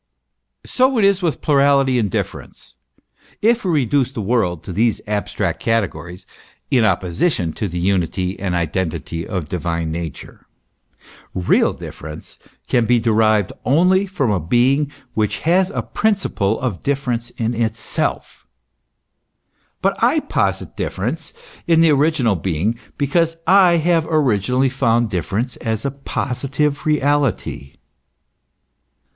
* So it is with plurality and difference if we reduce the world to these abstract categories in opposition to the unity and identity of the Divine nature. Real difference can be derived only from a being which has a principle of difference in itself. But I posit difference in the original being, because I have originally found difference as a positive reality.